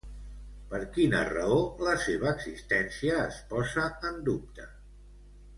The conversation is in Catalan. Per quina raó la seva existència es posa en dubte?